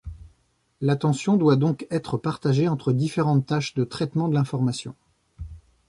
L'attention doit donc être partagée entre différentes tâches de traitement de l'information.